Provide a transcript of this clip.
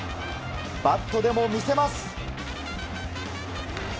バットでも見せます。